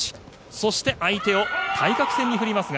そして、相手を対角線に振りますが。